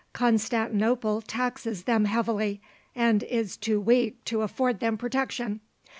Constantinople taxes them heavily, and is too weak to afford them protection.